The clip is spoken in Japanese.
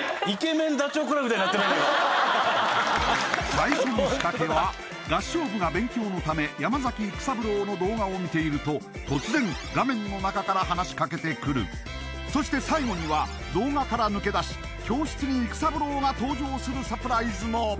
最初の仕掛けは合唱部が勉強のため山崎育三郎の動画を見ていると突然画面の中から話しかけてくるそして最後には動画から抜け出し教室に育三郎が登場するサプライズも！